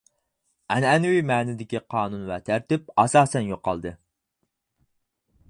ئەنئەنىۋى مەنىدىكى قانۇن ۋە تەرتىپ ئاساسەن يوقالدى.